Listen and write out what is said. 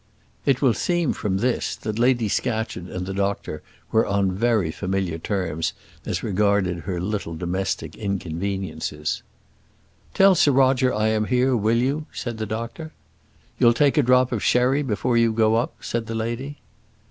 It will seem from this, that Lady Scatcherd and the doctor were on very familiar terms as regarded her little domestic inconveniences. "Tell Sir Roger I am here, will you?" said the doctor. "You'll take a drop of sherry before you go up?" said the lady.